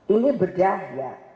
ini berdah ya